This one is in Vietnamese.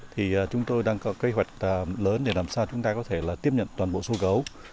thì chúng tôi đang có kế hoạch lớn để làm sao chúng ta có thể là tiếp nhận toàn bộ số gấu